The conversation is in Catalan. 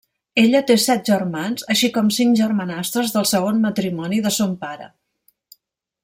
Ella té set germans, així com cinc germanastres del segon matrimoni de son pare.